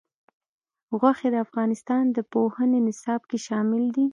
غوښې د افغانستان د پوهنې نصاب کې شامل دي.